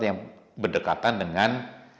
yang berdekatan dengan